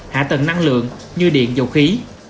hạ tầng năng lượng như điện dầu khí